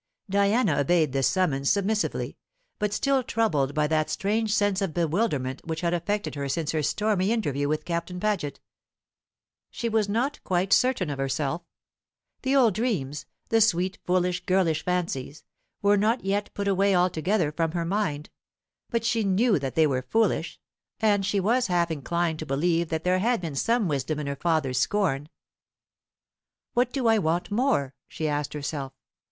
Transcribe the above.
C.P." Diana obeyed this summons submissively, but still troubled by that strange sense of bewilderment which had affected her since her stormy interview with Captain Paget. She was not quite certain of herself. The old dreams the sweet foolish girlish fancies were not yet put away altogether from her mind; but she knew that they were foolish, and she was half inclined to believe that there had been some wisdom in her father's scorn. "What do I want more?" she asked herself.